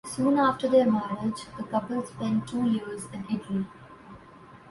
Soon after their marriage the couple spent two years in Italy.